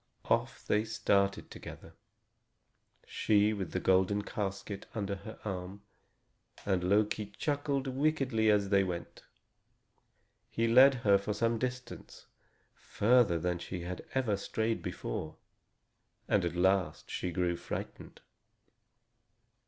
Off they started together, she with the golden casket under her arm; and Loki chuckled wickedly as they went. He led her for some distance, further than she had ever strayed before, and at last she grew frightened.